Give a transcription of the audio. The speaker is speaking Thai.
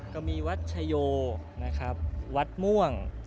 ก็มีวัดชโยนะครับวัดม่วง